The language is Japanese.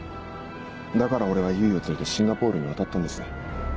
だから俺は唯を連れてシンガポールに渡ったんです。